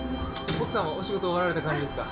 奥さんはお仕事終わられた感じですか。